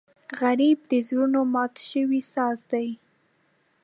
غریب د زړونو مات شوی ساز دی